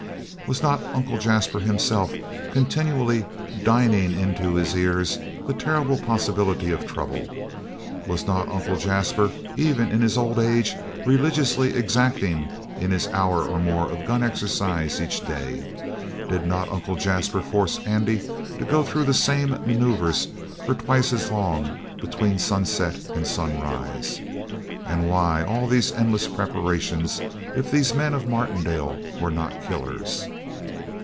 Was not Uncle Jasper himself continually dinning into his ears the terrible possibilities of trouble? Was not Uncle Jasper, even in his old age, religiously exacting in his hour or more of gun exercise each day? Did not Uncle Jasper force Andy to go through the same maneuvers for twice as long between sunset and sunrise? And why all these endless preparations if these men of Martindale were not killers?